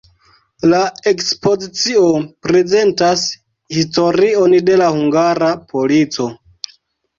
La ekspozicio prezentas historion de la hungara polico.